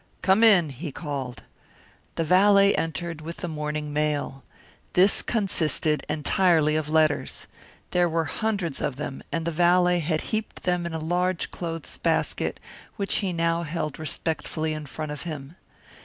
"Come in," he called. The valet entered with the morning mail. This consisted entirely of letters. There were hundreds of them, and the valet had heaped them in a large clothes basket which he now held respectfully in front of him.